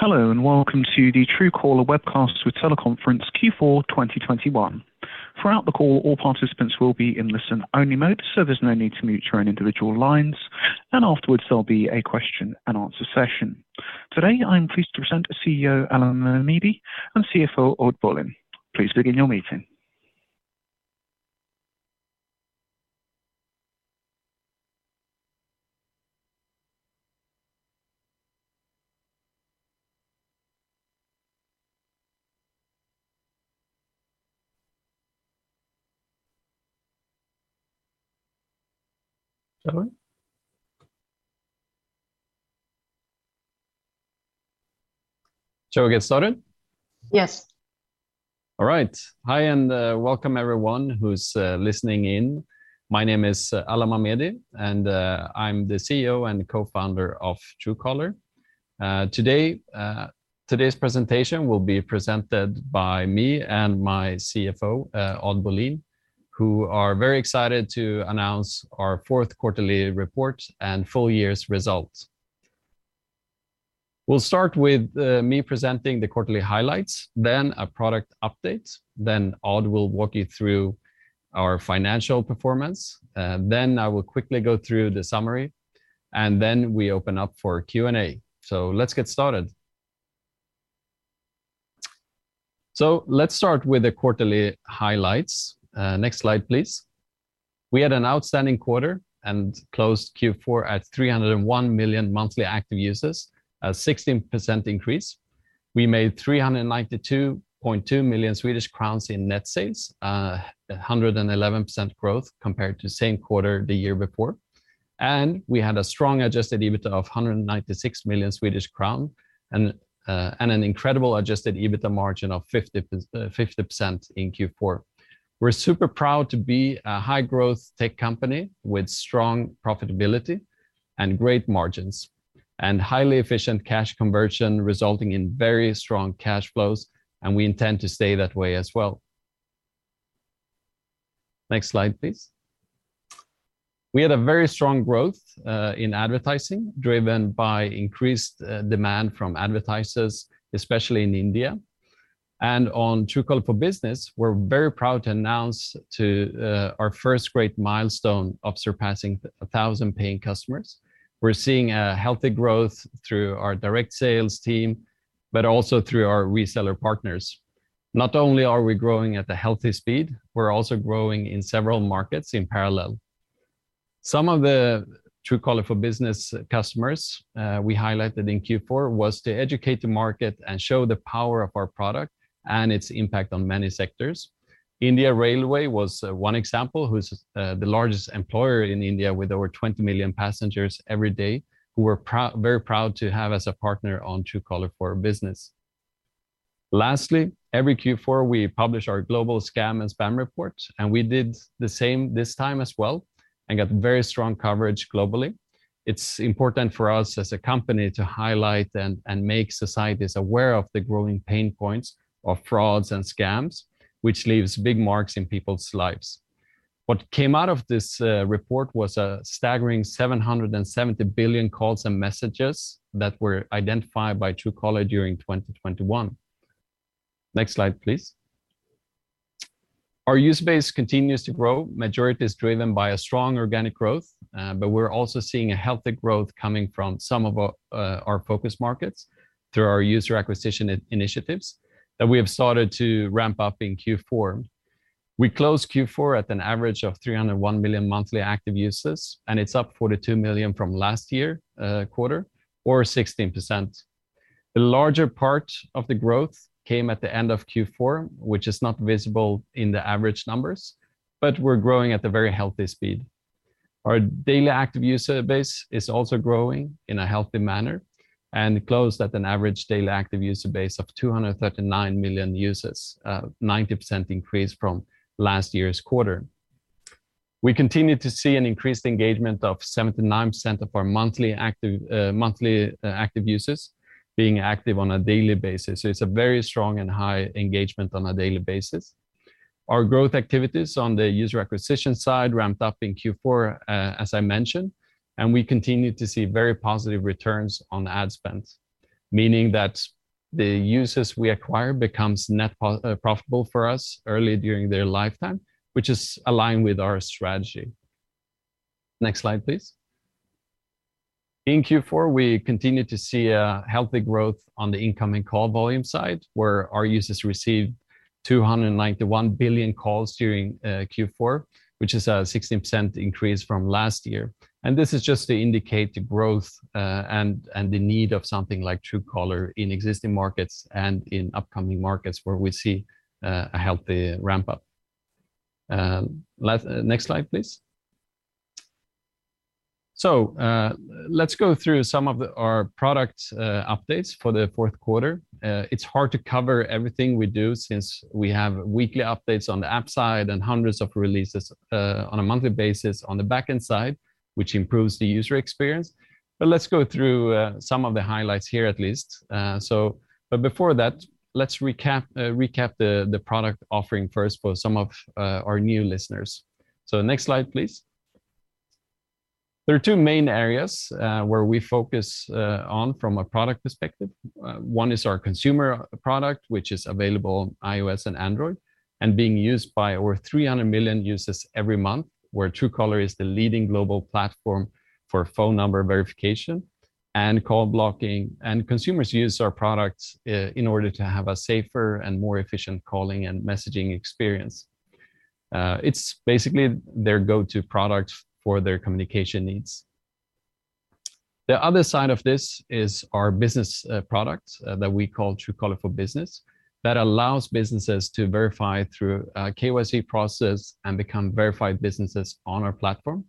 Hello and welcome to the Truecaller Webcasts with Teleconference Q4 2021. Throughout the call, all participants will be in listen-only mode, so there's no need to mute your own individual lines. Afterwards, there'll be a question and answer session. Today, I am pleased to present CEO Alan Mamedi and CFO Odd Bolin. Please begin your meeting. Shall we? Shall we get started? Yes. All right. Hi, and, welcome everyone who's listening in. My name is Alan Mamedi, and, I'm the CEO and co-founder of Truecaller. Today, today's presentation will be presented by me and my CFO, Odd Bolin, who are very excited to announce our fourth quarterly report and full year's results. We'll start with me presenting the quarterly highlights, then a product update, then Odd will walk you through our financial performance, then I will quickly go through the summary, and then we open up for Q&A. Let's get started. Let's start with the quarterly highlights. Next slide, please. We had an outstanding quarter and closed Q4 at 301 million monthly active users, a 16% increase. We made 392.2 million Swedish crowns in net sales, 111% growth compared to the same quarter the year before. We had a strong adjusted EBITDA of 196 million Swedish crown and an incredible adjusted EBITDA margin of 50% in Q4. We're super proud to be a high-growth tech company with strong profitability and great margins and highly efficient cash conversion, resulting in very strong cash flows, and we intend to stay that way as well. Next slide, please. We had a very strong growth in advertising, driven by increased demand from advertisers, especially in India. On Truecaller for Business, we're very proud to announce our first great milestone of surpassing 1,000 paying customers. We're seeing a healthy growth through our direct sales team, but also through our reseller partners. Not only are we growing at a healthy speed, we're also growing in several markets in parallel. Some of the Truecaller for Business customers we highlighted in Q4 was to educate the market and show the power of our product and its impact on many sectors. Indian Railways was one example, who's the largest employer in India with over 20 million passengers every day, who we're very proud to have as a partner on Truecaller for Business. Lastly, every Q4, we publish our global scam and spam report, and we did the same this time as well and got very strong coverage globally. It's important for us as a company to highlight and make societies aware of the growing pain points of frauds and scams, which leaves big marks in people's lives. What came out of this report was a staggering 770 billion calls and messages that were identified by Truecaller during 2021. Next slide, please. Our user base continues to grow. Majority is driven by a strong organic growth, but we're also seeing a healthy growth coming from some of our focus markets through our user acquisition initiatives that we have started to ramp up in Q4. We closed Q4 at an average of 301 million monthly active users, and it's up 42 million from last year quarter or 16%. The larger part of the growth came at the end of Q4, which is not visible in the average numbers, but we're growing at a very healthy speed. Our daily active user base is also growing in a healthy manner and closed at an average daily active user base of 239 million users, a 90% increase from last year's quarter. We continue to see an increased engagement of 79% of our monthly active users being active on a daily basis. It's a very strong and high engagement on a daily basis. Our growth activities on the user acquisition side ramped up in Q4, as I mentioned, and we continue to see very positive returns on ad spend, meaning that the users we acquire becomes profitable for us early during their lifetime, which is aligned with our strategy. Next slide, please. In Q4, we continued to see a healthy growth on the incoming call volume side, where our users received 291 billion calls during Q4, which is a 16% increase from last year. This is just to indicate the growth, and the need of something like Truecaller in existing markets and in upcoming markets where we see a healthy ramp-up. Next slide, please. Let's go through some of our product updates for the fourth quarter. It's hard to cover everything we do since we have weekly updates on the app side and hundreds of releases on a monthly basis on the back-end side, which improves the user experience. Let's go through some of the highlights here at least. Before that, let's recap the product offering first for some of our new listeners. Next slide, please. There are two main areas where we focus on from a product perspective. One is our consumer product, which is available on iOS and Android, and being used by over 300 million users every month, where Truecaller is the leading global platform for phone number verification and call blocking. Consumers use our products in order to have a safer and more efficient calling and messaging experience. It's basically their go-to product for their communication needs. The other side of this is our business product that we call Truecaller for Business, that allows businesses to verify through a KYC process and become verified businesses on our platform.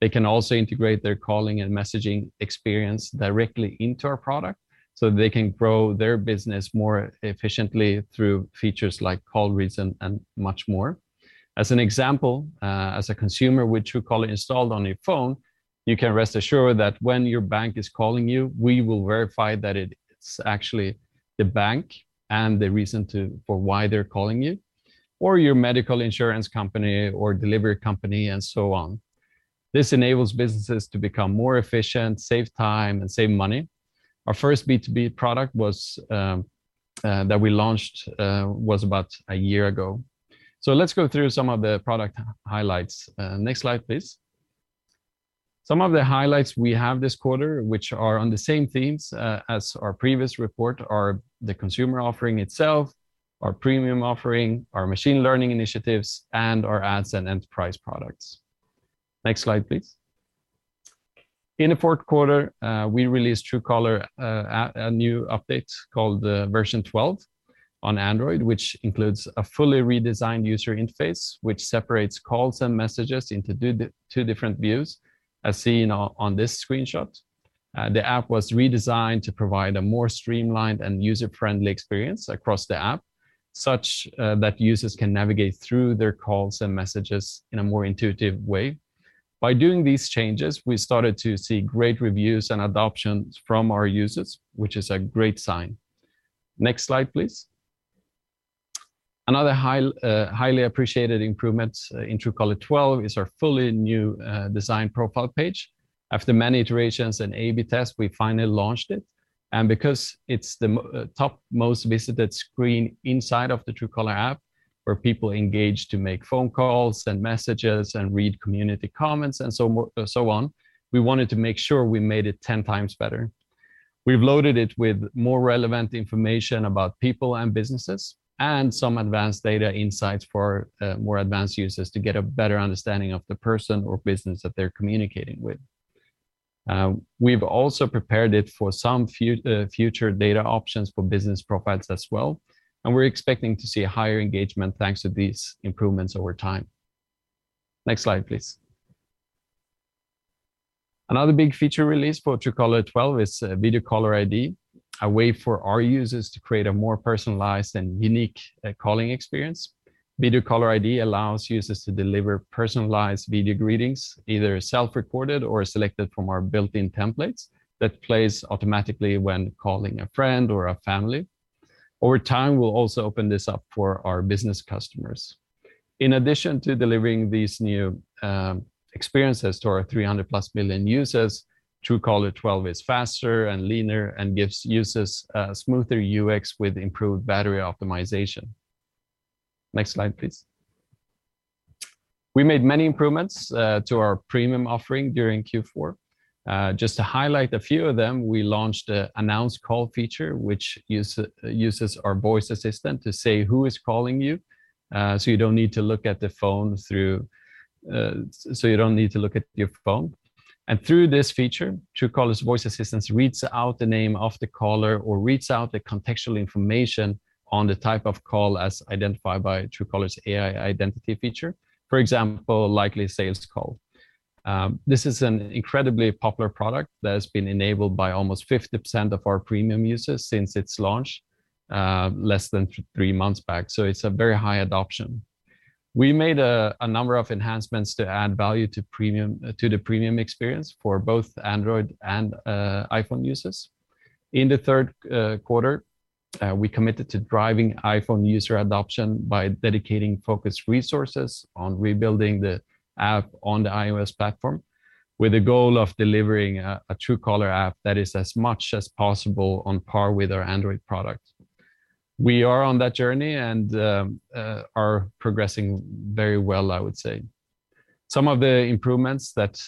They can also integrate their calling and messaging experience directly into our product, so they can grow their business more efficiently through features like call reads and much more. As an example, as a consumer with Truecaller installed on your phone, you can rest assured that when your bank is calling you, we will verify that it's actually the bank and the reason for why they're calling you, or your medical insurance company or delivery company and so on. This enables businesses to become more efficient, save time, and save money. Our first B2B product that we launched was about a year ago. Let's go through some of the product highlights. Next slide, please. Some of the highlights we have this quarter, which are on the same themes as our previous report, are the consumer offering itself, our premium offering, our machine learning initiatives, and our ads and enterprise products. Next slide, please. In the fourth quarter, we released Truecaller, a new update called Version 12 on Android, which includes a fully redesigned user interface, which separates calls and messages into two different views, as seen on this screenshot. The app was redesigned to provide a more streamlined and user-friendly experience across the app, such that users can navigate through their calls and messages in a more intuitive way. By doing these changes, we started to see great reviews and adoptions from our users, which is a great sign. Next slide, please. Another highly appreciated improvements in Truecaller 12 is our fully new design profile page. After many iterations and A/B tests, we finally launched it, and because it's the most visited screen inside of the Truecaller app, where people engage to make phone calls and messages and read community comments and so on, we wanted to make sure we made it 10 times better. We've loaded it with more relevant information about people and businesses and some advanced data insights for more advanced users to get a better understanding of the person or business that they're communicating with. We've also prepared it for some future data options for business profiles as well, and we're expecting to see a higher engagement thanks to these improvements over time. Next slide, please. Another big feature release for Truecaller 12 is Video Caller ID, a way for our users to create a more personalized and unique calling experience. Video Caller ID allows users to deliver personalized video greetings, either self-recorded or selected from our built-in templates, that plays automatically when calling a friend or a family. Over time, we'll also open this up for our business customers. In addition to delivering these new experiences to our 300+ million users, Truecaller 12 is faster and leaner and gives users a smoother UX with improved battery optimization. Next slide, please. We made many improvements to our premium offering during Q4. Just to highlight a few of them, we launched the Announce Call feature, which uses our voice assistant to say who is calling you, so you don't need to look at your phone. Through this feature, Truecaller's voice assistant reads out the name of the caller or reads out the contextual information on the type of call as identified by Truecaller's AI identity feature. For example, likely sales call. This is an incredibly popular product that has been enabled by almost 50% of our premium users since its launch, less than three months back. It's a very high adoption. We made a number of enhancements to add value to the premium experience for both Android and iPhone users. In the third quarter, we committed to driving iPhone user adoption by dedicating focused resources on rebuilding the app on the iOS platform, with the goal of delivering a Truecaller app that is as much as possible on par with our Android product. We are on that journey and are progressing very well, I would say. Some of the improvements that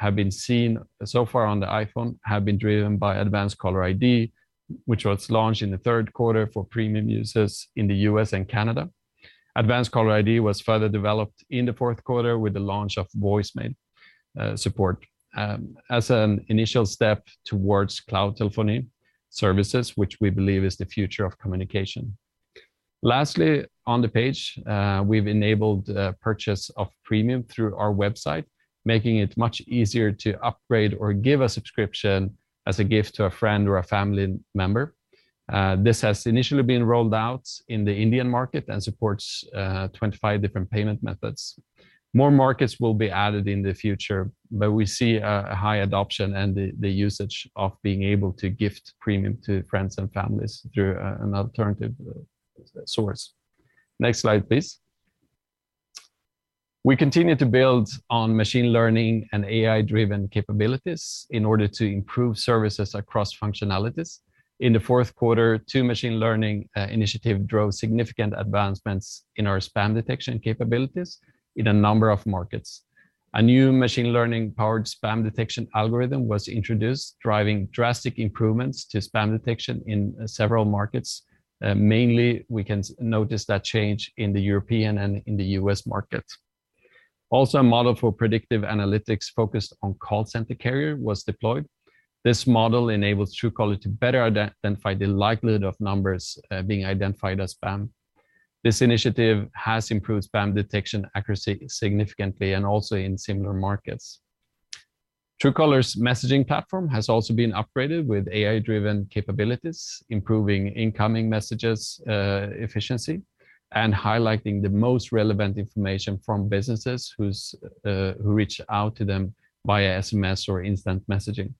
have been seen so far on the iPhone have been driven by Advanced Caller ID, which was launched in the third quarter for premium users in the U.S. and Canada. Advanced Caller ID was further developed in the fourth quarter with the launch of voicemail support, as an initial step towards cloud telephony services, which we believe is the future of communication. Lastly, on the page, we've enabled purchase of premium through our website, making it much easier to upgrade or give a subscription as a gift to a friend or a family member. This has initially been rolled out in the Indian market and supports 25 different payment methods. More markets will be added in the future, but we see a high adoption and the usage of being able to gift premium to friends and families through an alternative source. Next slide, please. We continue to build on machine learning and AI-driven capabilities in order to improve services across functionalities. In the fourth quarter, two machine learning initiative drove significant advancements in our spam detection capabilities in a number of markets. A new machine learning-powered spam detection algorithm was introduced, driving drastic improvements to spam detection in several markets. Mainly, we can notice that change in the European and in the U.S. market. Also, a model for predictive analytics focused on call center carrier was deployed. This model enables Truecaller to better identify the likelihood of numbers being identified as spam. This initiative has improved spam detection accuracy significantly and also in similar markets. Truecaller's messaging platform has also been upgraded with AI-driven capabilities, improving incoming messages efficiency and highlighting the most relevant information from businesses who reach out to them via SMS or instant messaging.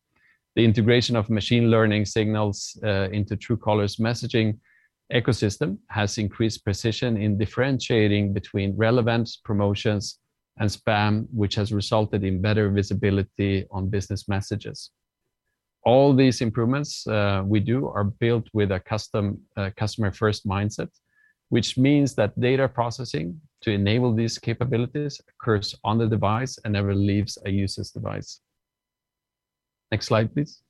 The integration of machine learning signals into Truecaller's messaging ecosystem has increased precision in differentiating between relevant promotions and spam, which has resulted in better visibility on business messages. All these improvements, we do are built with a custom, customer-first mindset, which means that data processing to enable these capabilities occurs on the device and never leaves a user's device. Next slide, please.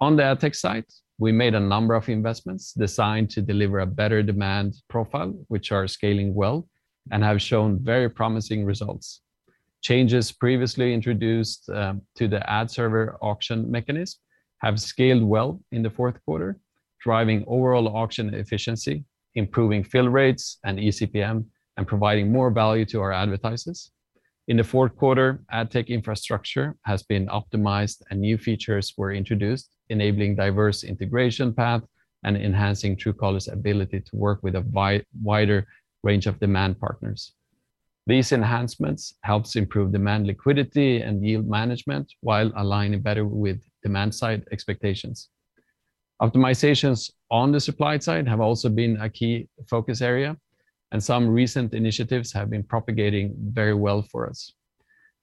On the AdTech side, we made a number of investments designed to deliver a better demand profile, which are scaling well and have shown very promising results. Changes previously introduced, to the ad server auction mechanism have scaled well in the fourth quarter, driving overall auction efficiency, improving fill rates and eCPM, and providing more value to our advertisers. In the fourth quarter, AdTech infrastructure has been optimized and new features were introduced, enabling diverse integration path and enhancing Truecaller's ability to work with a wider range of demand partners. These enhancements helps improve demand liquidity and yield management while aligning better with demand-side expectations. Optimizations on the supply side have also been a key focus area, and some recent initiatives have been propagating very well for us.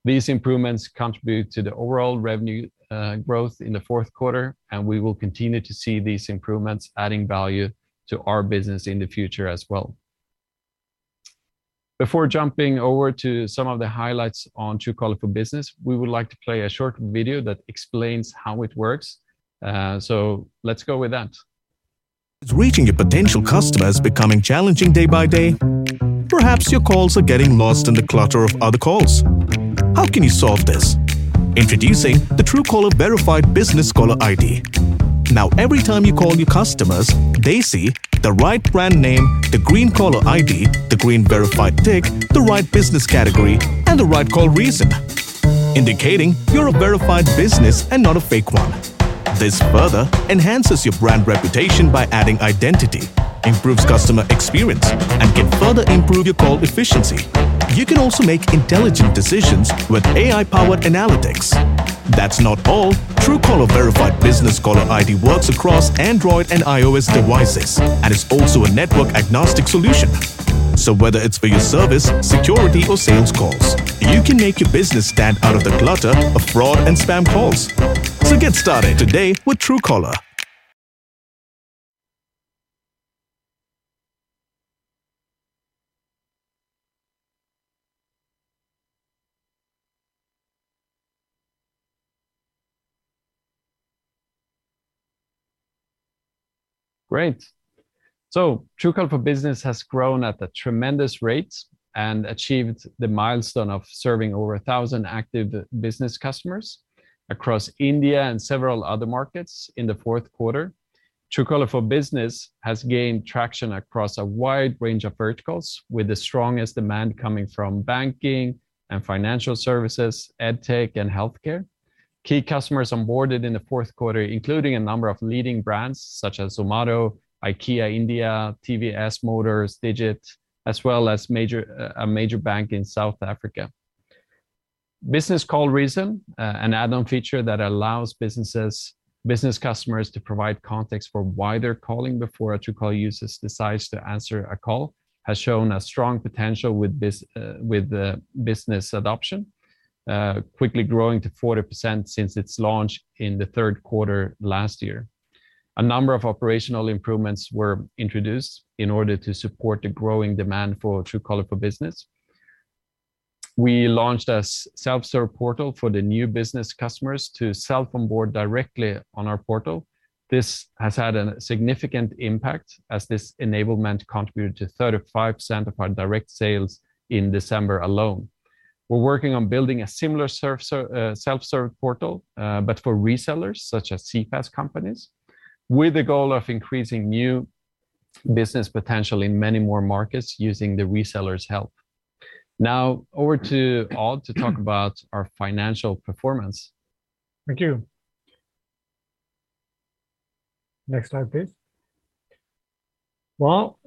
These improvements contribute to the overall revenue growth in the fourth quarter, and we will continue to see these improvements adding value to our business in the future as well. Before jumping over to some of the highlights on Truecaller for Business, we would like to play a short video that explains how it works. Let's go with that. Is reaching your potential customers becoming challenging day by day? Perhaps your calls are getting lost in the clutter of other calls. How can you solve this? Introducing the Truecaller Verified Business Caller ID. Now, every time you call new customers, they see the right brand name, the green caller ID, the green verified tick, the right business category, and the right call reason, indicating you're a verified business and not a fake one. This further enhances your brand reputation by adding identity, improves customer experience, and can further improve your call efficiency. You can also make intelligent decisions with AI-powered analytics. That's not all. Truecaller Verified Business Caller ID works across Android and iOS devices and is also a network-agnostic solution. Whether it's for your service, security, or sales calls, you can make your business stand out of the clutter of fraud and spam calls. Get started today with Truecaller. Great. Truecaller for Business has grown at a tremendous rate and achieved the milestone of serving over 1,000 active business customers across India and several other markets in the fourth quarter. Truecaller for Business has gained traction across a wide range of verticals, with the strongest demand coming from banking and financial services, EdTech, and healthcare. Key customers onboarded in the fourth quarter, including a number of leading brands such as Zomato, IKEA India, TVS Motor Company, Digit Insurance, as well as a major bank in South Africa. Business Call Reason, an add-on feature that allows business customers to provide context for why they're calling before a Truecaller user decides to answer a call, has shown a strong potential with the business adoption quickly growing to 40% since its launch in the third quarter last year. A number of operational improvements were introduced in order to support the growing demand for Truecaller for Business. We launched a self-serve portal for the new business customers to self-onboard directly on our portal. This has had a significant impact as this enablement contributed to 35% of our direct sales in December alone. We're working on building a similar self-serve portal, but for resellers such as CPaaS companies, with the goal of increasing new business potential in many more markets using the resellers' help. Now over to Odd to talk about our financial performance. Thank you. Next slide, please. Well,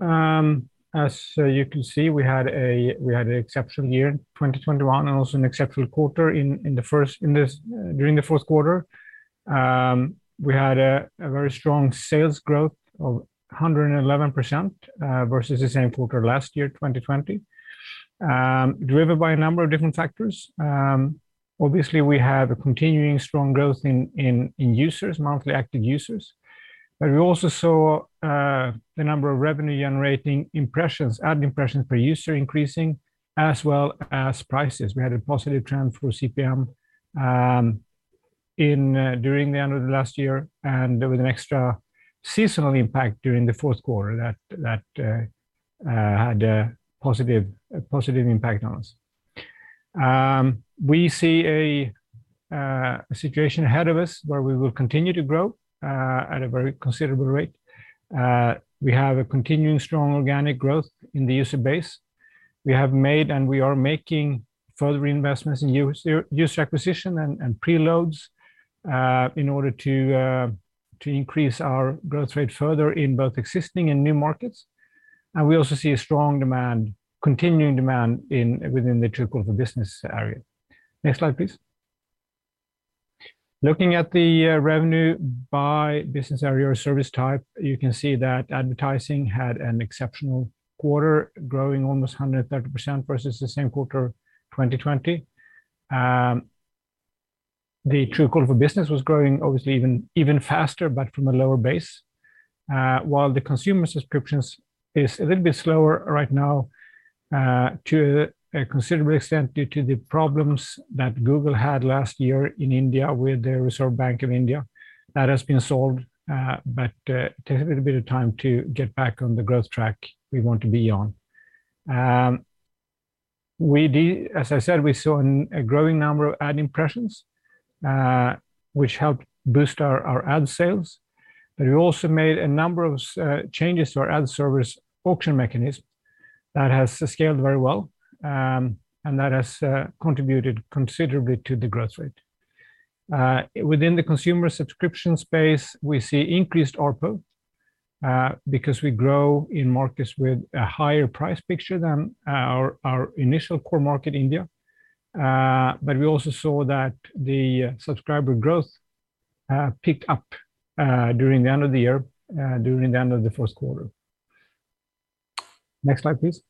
as you can see, we had an exceptional year in 2021 and also an exceptional quarter during the fourth quarter. We had a very strong sales growth of 111% versus the same quarter last year, 2020, driven by a number of different factors. Obviously, we have a continuing strong growth in users, monthly active users. We also saw the number of revenue-generating impressions, ad impressions per user increasing, as well as prices. We had a positive trend through CPM during the end of the last year, and there was an extra seasonal impact during the fourth quarter that had a positive impact on us. We see a situation ahead of us where we will continue to grow at a very considerable rate. We have a continuing strong organic growth in the user base. We have made, and we are making further investments in user acquisition and preloads, in order to increase our growth rate further in both existing and new markets. We also see a strong, continuing demand within the Truecaller business area. Next slide, please. Looking at the revenue by business area or service type, you can see that advertising had an exceptional quarter, growing almost 130% versus the same quarter, 2020. The Truecaller business was growing obviously even faster, but from a lower base. While the consumer subscriptions is a little bit slower right now, to a considerable extent due to the problems that Google had last year in India with the Reserve Bank of India. That has been solved, but take a little bit of time to get back on the growth track we want to be on. As I said, we saw a growing number of ad impressions, which helped boost our ad sales. We also made a number of changes to our ad service auction mechanism that has scaled very well, and that has contributed considerably to the growth rate. Within the consumer subscription space, we see increased ARPU, because we grow in markets with a higher price picture than our initial core market, India. We also saw that the subscriber growth picked up during the end of the year, during the end of the first quarter. Next slide, please.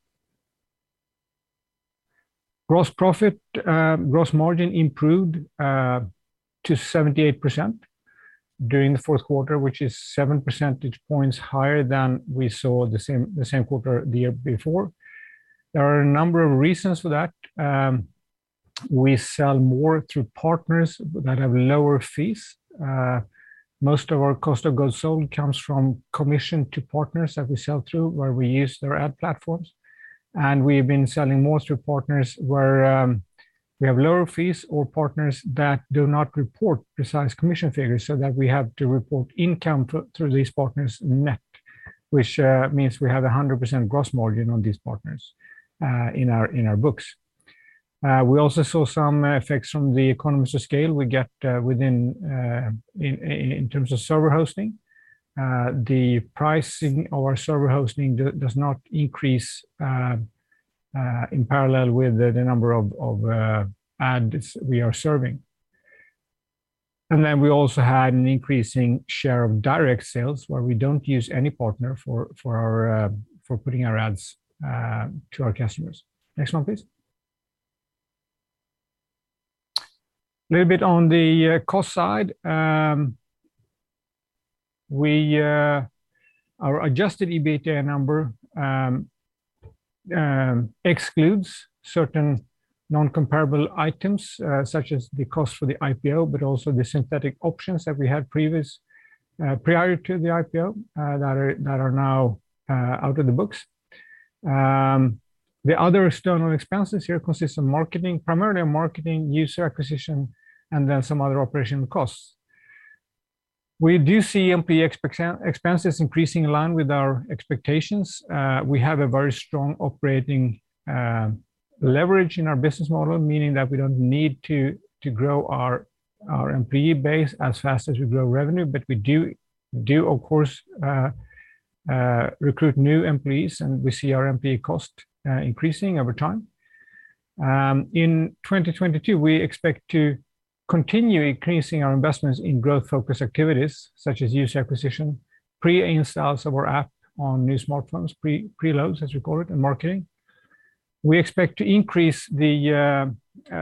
Gross profit, gross margin improved to 78% during the fourth quarter, which is seven percentage points higher than we saw the same quarter the year before. There are a number of reasons for that. We sell more through partners that have lower fees. Most of our cost of goods sold comes from commission to partners that we sell through, where we use their ad platforms. We've been selling more through partners where we have lower fees or partners that do not report precise commission figures so that we have to report income through these partners net, which means we have a 100% gross margin on these partners in our books. We also saw some effects from the economies of scale we get within in terms of server hosting. The pricing of our server hosting does not increase in parallel with the number of ads we are serving. Then we also had an increasing share of direct sales, where we don't use any partner for putting our ads to our customers. Next one, please. A little bit on the cost side. Our adjusted EBITDA number excludes certain non-comparable items, such as the cost for the IPO, but also the synthetic options that we had prior to the IPO, that are now out of the books. The other external expenses here consist of marketing, primarily marketing, user acquisition, and then some other operational costs. We do see employee expenses increasing in line with our expectations. We have a very strong operating leverage in our business model, meaning that we don't need to grow our employee base as fast as we grow revenue, but we do of course recruit new employees, and we see our employee cost increasing over time. In 2022, we expect to continue increasing our investments in growth-focused activities such as user acquisition, pre-installs of our app on new smartphones, preloads as we call it, and marketing. We expect to increase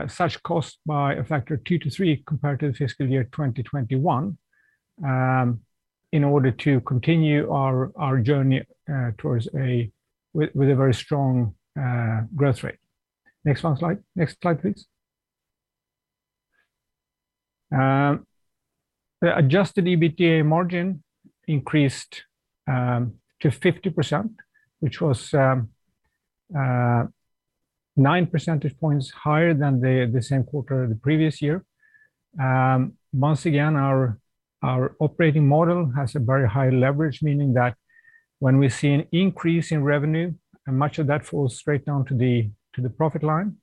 such cost by a factor of two to three compared to the fiscal year 2021 in order to continue our journey with a very strong growth rate. Next slide. Next slide, please. The adjusted EBITDA margin increased to 50%, which was nine percentage points higher than the same quarter the previous year. Once again, our operating model has a very high leverage, meaning that when we see an increase in revenue, and much of that falls straight down to the profit line.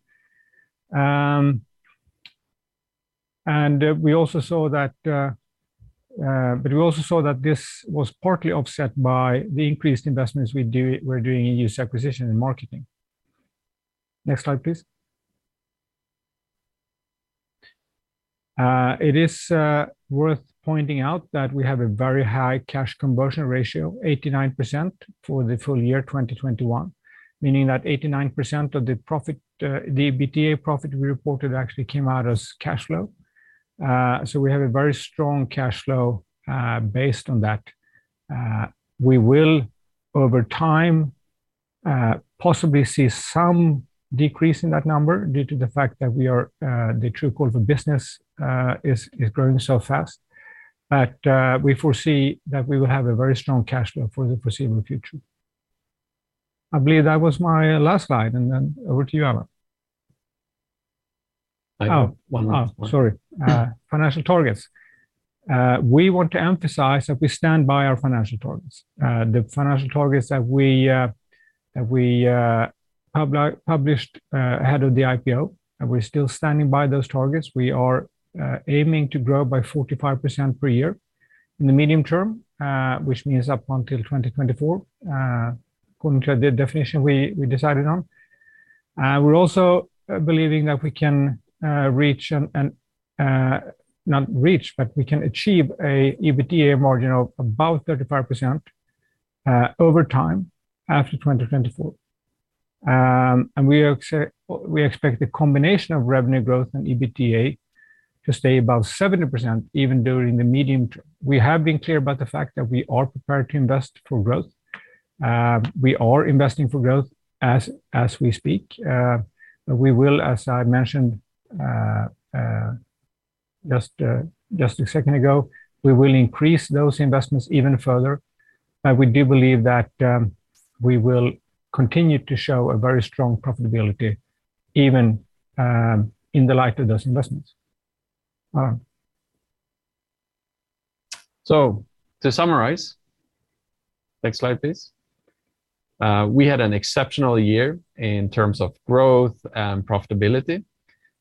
We also saw that this was partly offset by the increased investments we're doing in user acquisition and marketing. Next slide, please. It is worth pointing out that we have a very high cash conversion ratio, 89% for the full year 2021, meaning that 89% of the EBITDA profit we reported actually came out as cash flow. We have a very strong cash flow based on that. We will over time possibly see some decrease in that number due to the fact that we are the Truecaller for Business is growing so fast. We foresee that we will have a very strong cash flow for the foreseeable future. I believe that was my last slide, and then over to you, Alan. Last one. Sorry, financial targets. We want to emphasize that we stand by our financial targets. The financial targets that we published ahead of the IPO, and we're still standing by those targets. We are aiming to grow by 45% per year in the medium term, which means up until 2024, according to the definition we decided on. We're also believing that we can achieve an EBITDA margin of about 35% over time after 2024. We expect the combination of revenue growth and EBITDA to stay above 70% even during the medium term. We have been clear about the fact that we are prepared to invest for growth. We are investing for growth as we speak. As I mentioned just a second ago, we will increase those investments even further, but we do believe that we will continue to show a very strong profitability even in the light of those investments. To summarize. Next slide, please. We had an exceptional year in terms of growth and profitability,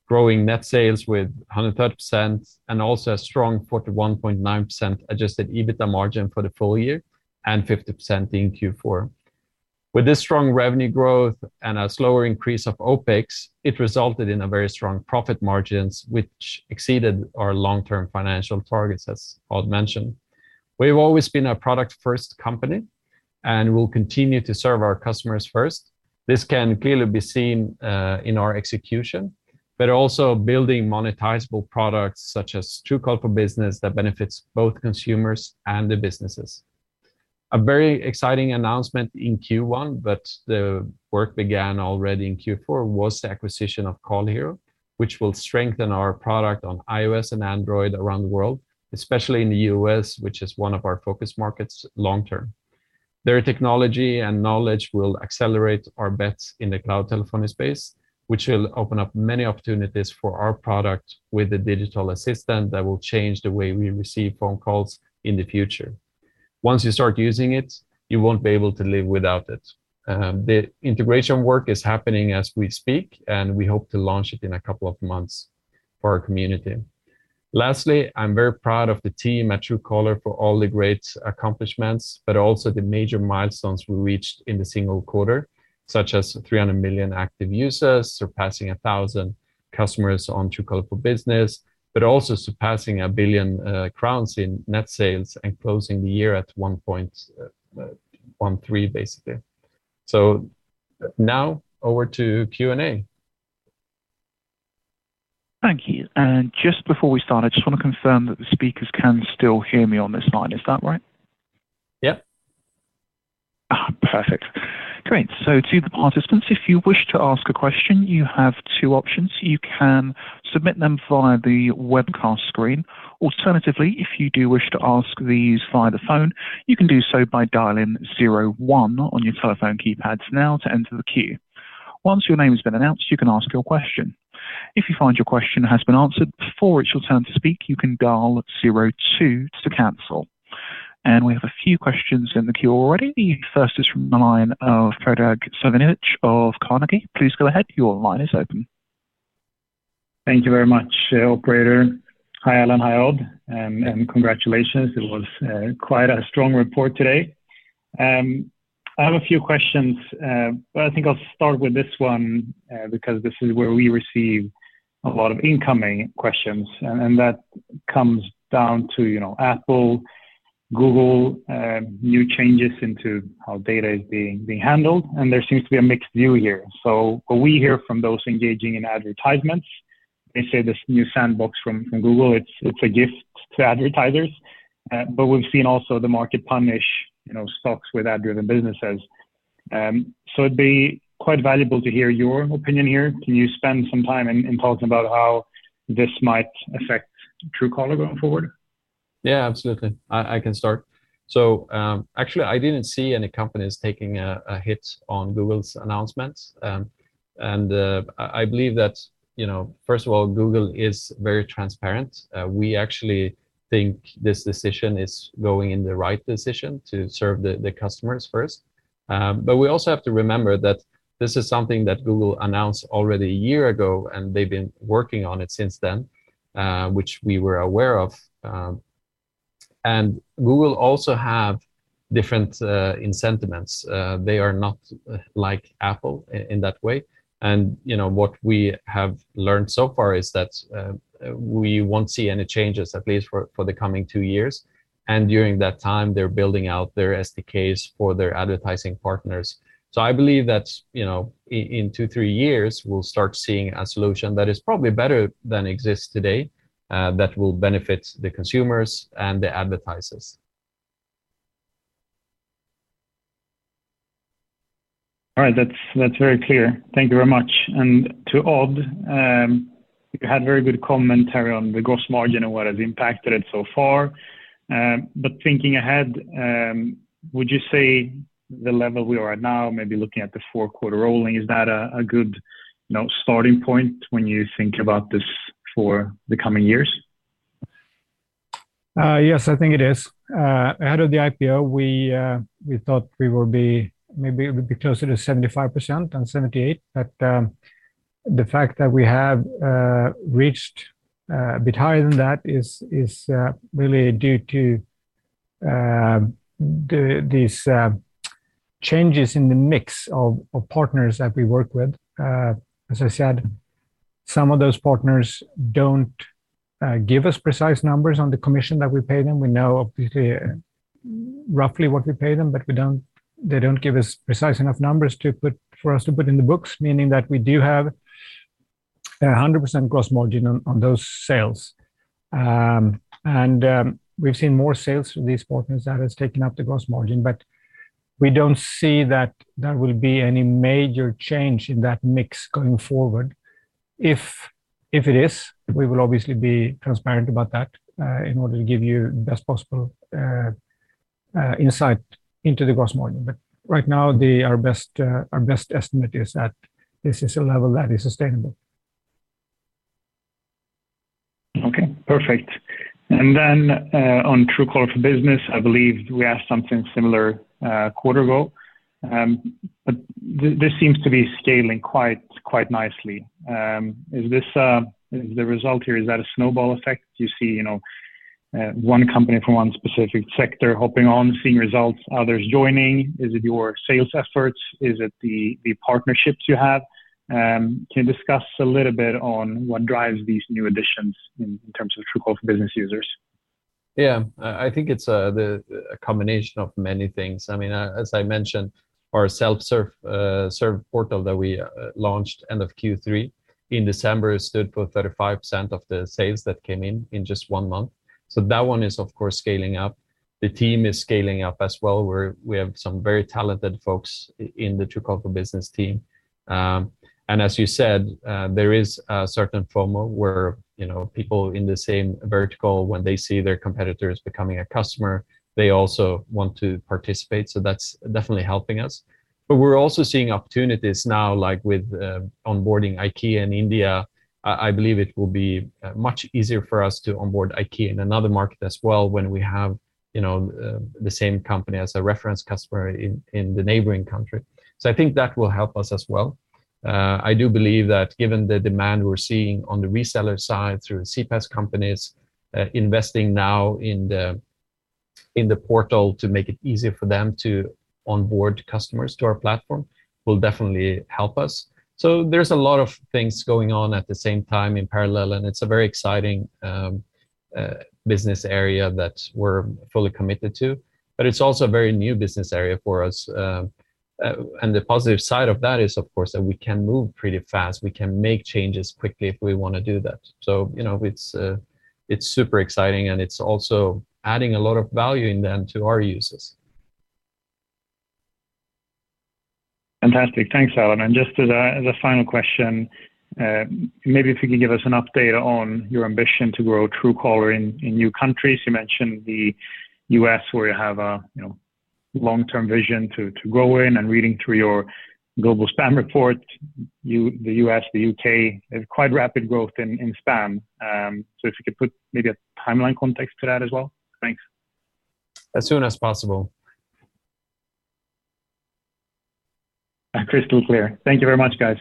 growing net sales with 130% and also a strong 41.9% adjusted EBITDA margin for the full year and 50% in Q4. With this strong revenue growth and a slower increase of OpEx, it resulted in a very strong profit margins, which exceeded our long-term financial targets, as Odd mentioned. We've always been a product-first company, and we'll continue to serve our customers first. This can clearly be seen in our execution, but also building monetizable products such as Truecaller for Business that benefits both consumers and the businesses. A very exciting announcement in Q1, but the work began already in Q4, was the acquisition of Call Hero, which will strengthen our product on iOS and Android around the world, especially in the U.S., which is one of our focus markets long term. Their technology and knowledge will accelerate our bets in the cloud telephony space, which will open up many opportunities for our product with a digital assistant that will change the way we receive phone calls in the future. Once you start using it, you won't be able to live without it. The integration work is happening as we speak, and we hope to launch it in a couple of months for our community. Lastly, I'm very proud of the team at Truecaller for all the great accomplishments, but also the major milestones we reached in the single quarter, such as 300 million active users, surpassing 1,000 customers on Truecaller for Business, but also surpassing 1 billion crowns in net sales and closing the year at 1.13 billion, basically. Now over to Q&A. Thank you. Just before we start, I just want to confirm that the speakers can still hear me on this line. Is that right? Yep. Perfect. Great. To the participants, if you wish to ask a question, you have two options. You can submit them via the webcast screen. Alternatively, if you do wish to ask these via the phone, you can do so by dialing zero one on your telephone keypads now to enter the queue. Once your name has been announced, you can ask your question. If you find your question has been answered before it's your turn to speak, you can dial zero two to cancel. We have a few questions in the queue already. The first is from the line of Predrag Savinovic of Carnegie. Please go ahead. Your line is open. Thank you very much, operator. Hi, Alan. Hi, Odd. Congratulations. It was quite a strong report today. I have a few questions, but I think I'll start with this one, because this is where we receive a lot of incoming questions, and that comes down to, you know, Apple, Google, new changes into how data is being handled, and there seems to be a mixed view here. What we hear from those engaging in advertisements, they say this new sandbox from Google, it's a gift to advertisers. We've seen also the market punish, you know, stocks with ad-driven businesses. It'd be quite valuable to hear your opinion here. Can you spend some time in talking about how this might affect Truecaller going forward? Yeah, absolutely. I can start. Actually, I didn't see any companies taking a hit on Google's announcements. I believe that, you know, first of all, Google is very transparent. We actually think this decision is the right decision to serve the customers first. We also have to remember that this is something that Google announced already a year ago, and they've been working on it since then, which we were aware of. Google also have different incentives. They are not like Apple in that way. You know, what we have learned so far is that we won't see any changes, at least for the coming two years. During that time, they're building out their SDKs for their advertising partners. I believe that, you know, in two, three years, we'll start seeing a solution that is probably better than exists today, that will benefit the consumers and the advertisers. All right. That's very clear. Thank you very much. To Odd, you had very good commentary on the gross margin and what has impacted it so far. Thinking ahead, would you say the level we are at now, maybe looking at the four-quarter rolling, is that a good, you know, starting point when you think about this for the coming years? Yes, I think it is. Ahead of the IPO, we thought we would be maybe a bit closer to 75% than 78%. The fact that we have reached a bit higher than that is really due to these changes in the mix of partners that we work with. As I said, some of those partners don't give us precise numbers on the commission that we pay them. We know obviously roughly what we pay them, but they don't give us precise enough numbers for us to put in the books, meaning that we do have 100% gross margin on those sales. We've seen more sales from these partners that has taken up the gross margin. We don't see that there will be any major change in that mix going forward. If it is, we will obviously be transparent about that, in order to give you the best possible insight into the gross margin. Right now, our best estimate is that this is a level that is sustainable. Okay, perfect. Then, on Truecaller for Business, I believe we asked something similar a quarter ago. This seems to be scaling quite nicely. Is this the result here, is that a snowball effect? Do you see, you know, one company from one specific sector hopping on, seeing results, others joining? Is it your sales efforts? Is it the partnerships you have? Can you discuss a little bit on what drives these new additions in terms of Truecaller for Business users? Yeah. I think it's a combination of many things. I mean, as I mentioned, our self-serve portal that we launched end of Q3 in December stood for 35% of the sales that came in in just one month. That one is, of course, scaling up. The team is scaling up as well, where we have some very talented folks in the Truecaller business team. And as you said, there is a certain FOMO where, you know, people in the same vertical, when they see their competitors becoming a customer, they also want to participate. That's definitely helping us. We're also seeing opportunities now, like with onboarding IKEA India. I believe it will be much easier for us to onboard IKEA in another market as well when we have, you know, the same company as a reference customer in the neighboring country. I think that will help us as well. I do believe that given the demand we're seeing on the reseller side through CPaaS companies, investing now in the portal to make it easier for them to onboard customers to our platform will definitely help us. There's a lot of things going on at the same time in parallel, and it's a very exciting business area that we're fully committed to, but it's also a very new business area for us. The positive side of that is, of course, that we can move pretty fast. We can make changes quickly if we wanna do that. You know, it's super exciting, and it's also adding a lot of value in them to our users. Fantastic. Thanks, Alan. Just as a final question, maybe if you can give us an update on your ambition to grow Truecaller in new countries. You mentioned the U.S., where you have a you know, long-term vision to grow in and reading through your global spam report, the U.S., the U.K. have quite rapid growth in spam. If you could put maybe a timeline context to that as well. Thanks. As soon as possible. Crystal clear. Thank you very much, guys.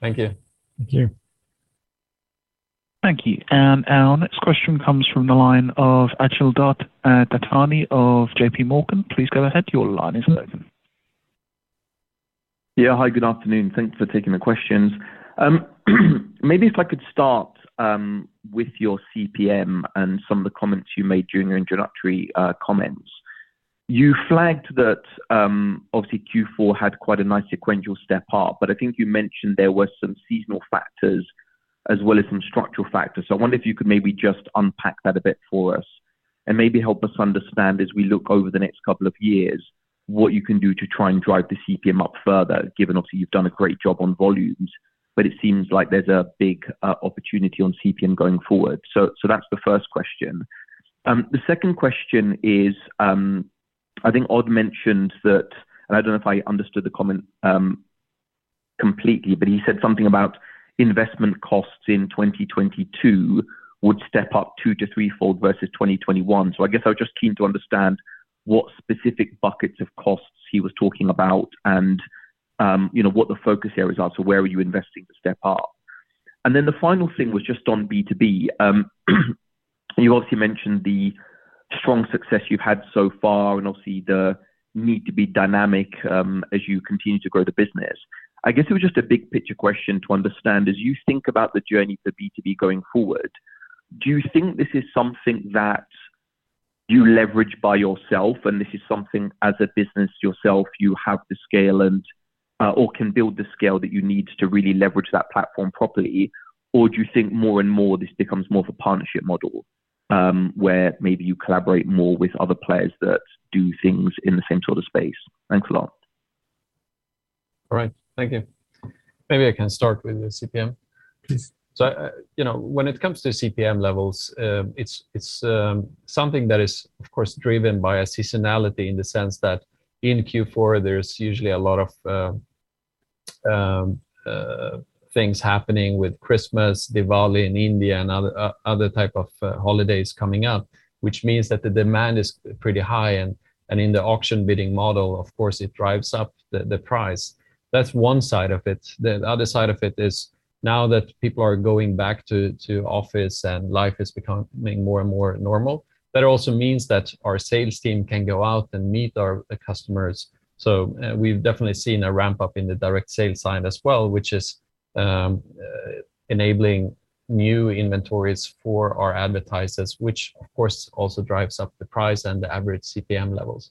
Thank you. Thank you. Thank you. Our next question comes from the line of Akhil Dattani of JPMorgan. Please go ahead. Your line is open. Yeah. Hi, good afternoon. Thanks for taking the questions. Maybe if I could start with your CPM and some of the comments you made during your introductory comments. You flagged that obviously Q4 had quite a nice sequential step up, but I think you mentioned there were some seasonal factors as well as some structural factors. I wonder if you could maybe just unpack that a bit for us and maybe help us understand as we look over the next couple of years what you can do to try and drive the CPM up further, given obviously you've done a great job on volumes, but it seems like there's a big opportunity on CPM going forward. That's the first question. The second question is, I think Odd mentioned that, and I don't know if I understood the comment completely, but he said something about investment costs in 2022 would step up two to threefold versus 2021. I guess I was just keen to understand what specific buckets of costs he was talking about and, you know, what the focus areas are. Where are you investing to step up? Then the final thing was just on B2B. You obviously mentioned the strong success you've had so far, and obviously the need to be dynamic, as you continue to grow the business. I guess it was just a big picture question to understand, as you think about the journey for B2B going forward, do you think this is something that you leverage by yourself, and this is something as a business yourself, you have the scale and or can build the scale that you need to really leverage that platform properly? Or do you think more and more this becomes more of a partnership model, where maybe you collaborate more with other players that do things in the same sort of space? Thanks a lot. All right. Thank you. Maybe I can start with the CPM. Please. You know, when it comes to CPM levels, it's something that is, of course, driven by a seasonality in the sense that in Q4 there's usually a lot of things happening with Christmas, Diwali in India, and other type of holidays coming up, which means that the demand is pretty high and in the auction bidding model, of course, it drives up the price. That's one side of it. The other side of it is now that people are going back to the office and life is becoming more and more normal, that also means that our sales team can go out and meet our customers. We've definitely seen a ramp-up in the direct sales side as well, which is enabling new inventories for our advertisers, which of course also drives up the price and the average CPM levels.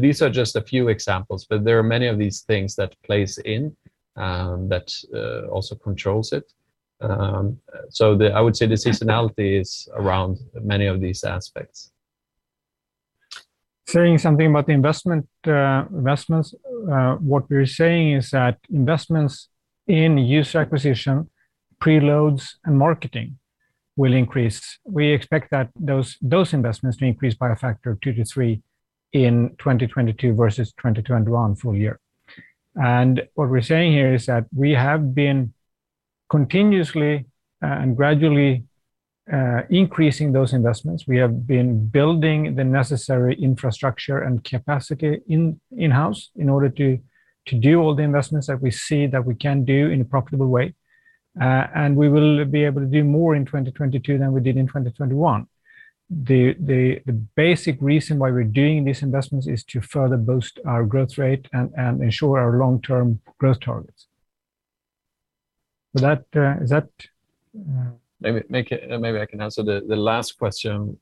These are just a few examples, but there are many of these things that plays in, that also controls it. I would say the seasonality is around many of these aspects. Saying something about the investments, what we're saying is that investments in user acquisition, preloads, and marketing will increase. We expect that those investments to increase by a factor of two to three in 2022 versus 2021 full year. What we're saying here is that we have been continuously and gradually increasing those investments. We have been building the necessary infrastructure and capacity in-house in order to do all the investments that we see that we can do in a profitable way, and we will be able to do more in 2022 than we did in 2021. The basic reason why we're doing these investments is to further boost our growth rate and ensure our long-term growth targets. That is that. Maybe I can answer the last question,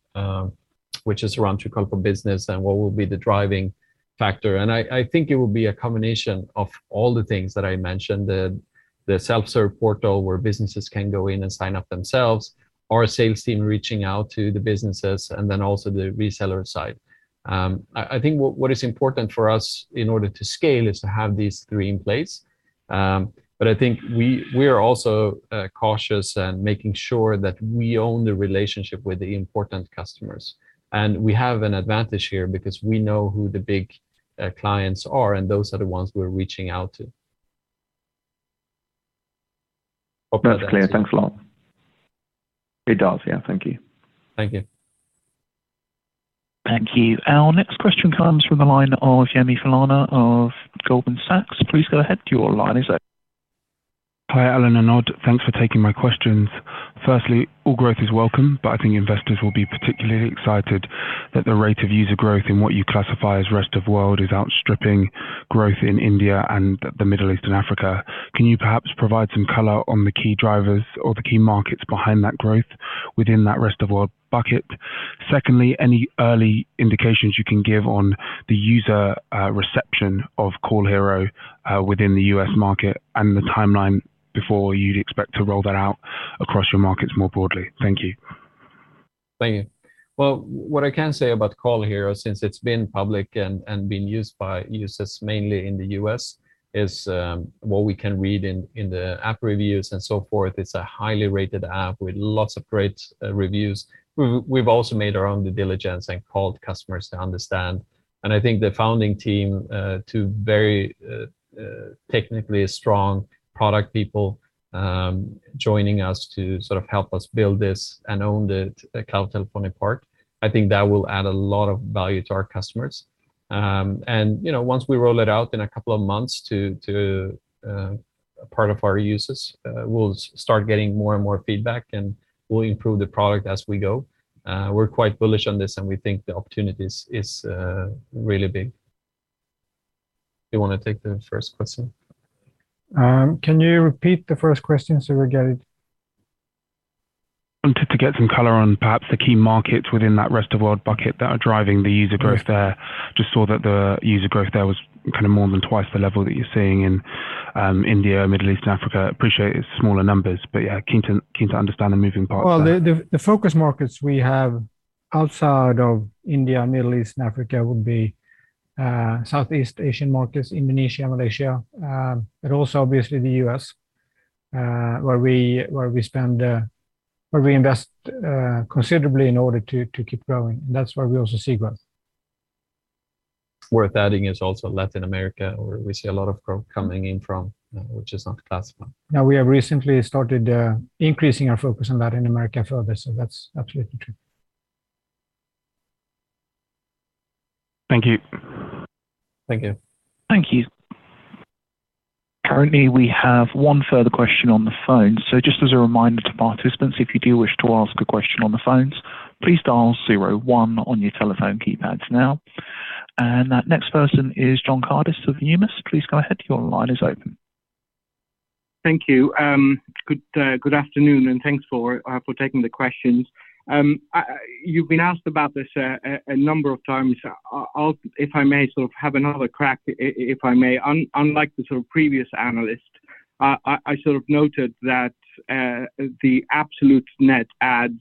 which is around Truecaller business and what will be the driving factor. I think it will be a combination of all the things that I mentioned, the self-serve portal where businesses can go in and sign up themselves, our sales team reaching out to the businesses, and then also the reseller side. I think what is important for us in order to scale is to have these three in place. I think we are also cautious and making sure that we own the relationship with the important customers. We have an advantage here because we know who the big clients are, and those are the ones we're reaching out to. That's clear. Thanks a lot. It does. Yeah. Thank you. Thank you. Thank you. Our next question comes from the line of Yemi Falana of Goldman Sachs. Please go ahead with your line. Hi, Alan and Odd. Thanks for taking my questions. Firstly, all growth is welcome, but I think investors will be particularly excited that the rate of user growth in what you classify as Rest of World is outstripping growth in India and the Middle East and Africa. Can you perhaps provide some color on the key drivers or the key markets behind that growth within that Rest of World bucket? Secondly, any early indications you can give on the user reception of CallHero within the U.S. market and the timeline before you'd expect to roll that out across your markets more broadly? Thank you. Thank you. Well, what I can say about CallHero, since it's been public and been used by users mainly in the U.S., is what we can read in the app reviews and so forth. It's a highly rated app with lots of great reviews. We've also made our own due diligence and called customers to understand. I think the founding team, two very technically strong product people, joining us to sort of help us build this and own the call telephony part. I think that will add a lot of value to our customers. You know, once we roll it out in a couple of months to part of our users, we'll start getting more and more feedback, and we'll improve the product as we go. We're quite bullish on this, and we think the opportunity is really big. Do you wanna take the first question? Can you repeat the first question, so we get it? To get some color on perhaps the key markets within that rest-of-world bucket that are driving the user growth there. Just saw that the user growth there was kind of more than twice the level that you're seeing in India, Middle East, and Africa. Appreciate it's smaller numbers, but yeah, keen to understand the moving parts there. Well, the focus markets we have outside of India, Middle East, and Africa would be Southeast Asian markets, Indonesia, Malaysia, but also obviously the U.S., where we invest considerably in order to keep growing. That's where we also see growth. Worth adding is also Latin America, where we see a lot of growth coming in from, which is not classified. Now, we have recently started increasing our focus on Latin America further, so that's absolutely true. Thank you. Thank you. Thank you. Currently, we have one further question on the phone. Just as a reminder to participants, if you do wish to ask a question on the phones, please dial zero one on your telephone keypads now. That next person is John Karidis of Numis. Please go ahead. Your line is open. Thank you. Good afternoon, and thanks for taking the questions. You've been asked about this a number of times. I'll, if I may, sort of have another crack, if I may. Unlike the sort of previous analyst, I sort of noted that the absolute net adds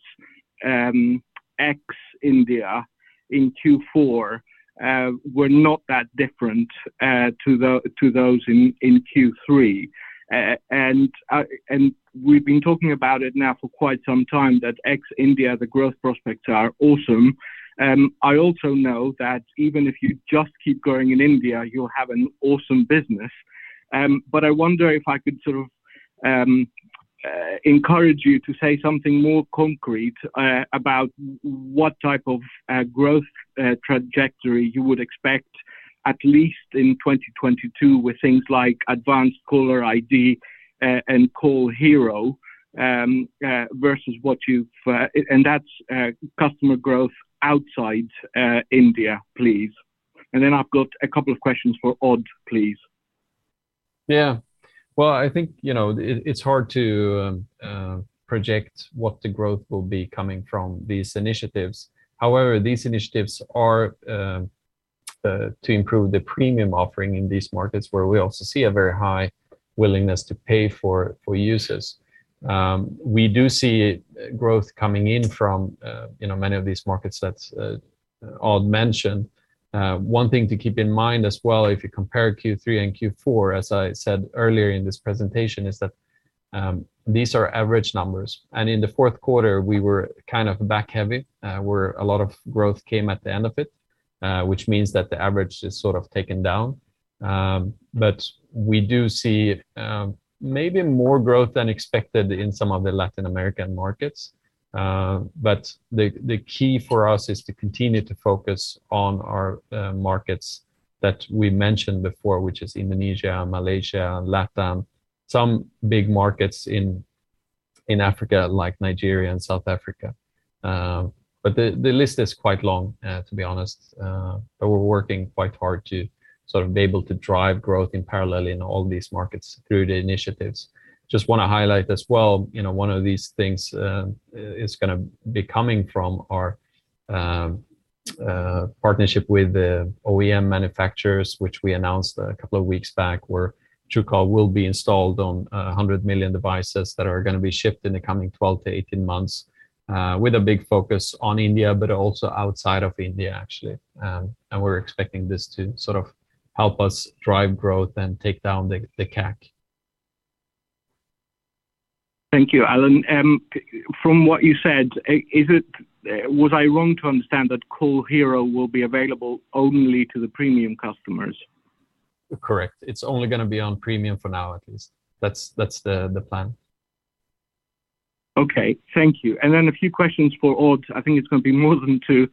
ex India in Q4 were not that different to those in Q3. We've been talking about it now for quite some time that ex-India, the growth prospects are awesome. I also know that even if you just keep growing in India, you'll have an awesome business. I wonder if I could sort of encourage you to say something more concrete about what type of growth trajectory you would expect, at least in 2022, with things like Advanced Caller ID and CallHero versus what you've. That's customer growth outside India, please. Then I've got a couple of questions for Odd, please. Yeah. Well, I think, you know, it's hard to project what the growth will be coming from these initiatives. However, these initiatives are to improve the premium offering in these markets where we also see a very high willingness to pay for users. We do see growth coming in from, you know, many of these markets that Odd mentioned. One thing to keep in mind as well, if you compare Q3 and Q4, as I said earlier in this presentation, is that these are average numbers. In the fourth quarter, we were kind of back-heavy, where a lot of growth came at the end of it, which means that the average is sort of taken down. We do see maybe more growth than expected in some of the Latin American markets. The key for us is to continue to focus on our markets that we mentioned before, which is Indonesia, Malaysia, LATAM, some big markets in Africa, like Nigeria and South Africa. The list is quite long, to be honest. We're working quite hard to sort of be able to drive growth in parallel in all these markets through the initiatives. Just wanna highlight as well, you know, one of these things is gonna be coming from our partnership with the OEM manufacturers, which we announced a couple of weeks back, where Truecaller will be installed on 100 million devices that are gonna be shipped in the coming 12-18 months, with a big focus on India, but also outside of India, actually. We're expecting this to sort of help us drive growth and take down the CAC. Thank you, Alan. From what you said, was I wrong to understand that CallHero will be available only to the premium customers? Correct. It's only gonna be on premium for now, at least. That's the plan. Okay. Thank you. Then a few questions for Odd. I think it's gonna be more than two.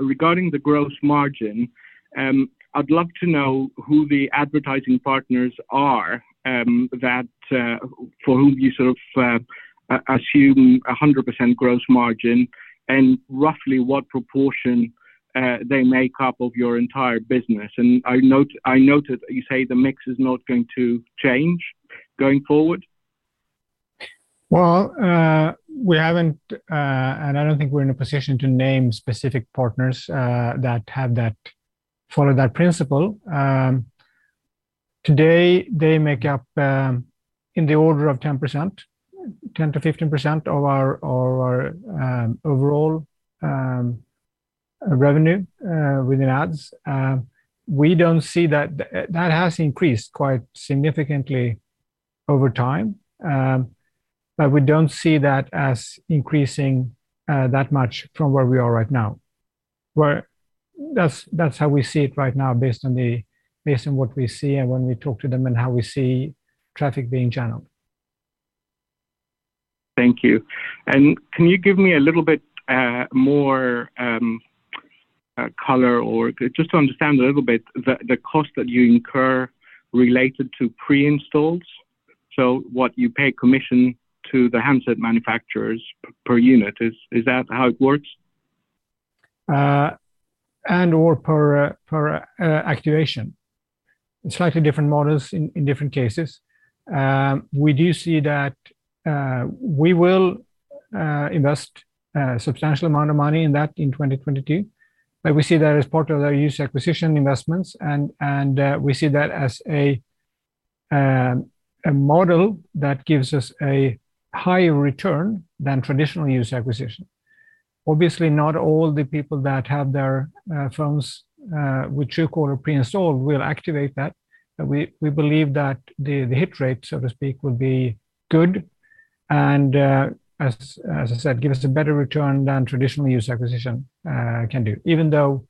Regarding the gross margin, I'd love to know who the advertising partners are that for whom you sort of assume 100% gross margin, and roughly what proportion they make up of your entire business. I noted you say the mix is not going to change going forward. We haven't and I don't think we're in a position to name specific partners that follow that principle. Today, they make up in the order of 10%, 10%-15% of our overall revenue within ads. We don't see that. That has increased quite significantly over time, but we don't see that as increasing that much from where we are right now. That's how we see it right now, based on what we see and when we talk to them and how we see traffic being channeled. Thank you. Can you give me a little bit more color or just to understand a little bit the cost that you incur related to preinstalls, so what you pay commission to the handset manufacturers per unit. Is that how it works? And/or per activation. Slightly different models in different cases. We do see that we will invest a substantial amount of money in that in 2022. We see that as part of our user acquisition investments and we see that as a model that gives us a higher return than traditional user acquisition. Obviously, not all the people that have their phones with Truecaller pre-installed will activate that. We believe that the hit rate, so to speak, will be good and as I said, give us a better return than traditional user acquisition can do. Even though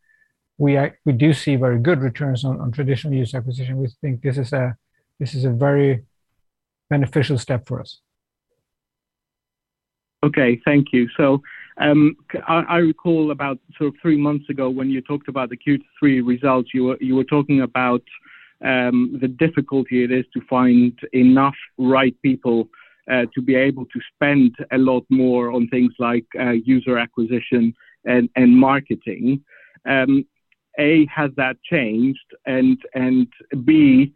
we do see very good returns on traditional user acquisition, we think this is a very beneficial step for us. Okay, thank you. I recall about sort of three months ago when you talked about the Q3 results, you were talking about the difficulty it is to find enough right people to be able to spend a lot more on things like user acquisition and marketing. A, has that changed? And B,